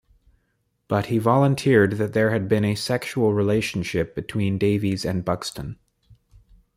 But he volunteered that there had been a sexual relationship between Davies and Buxton.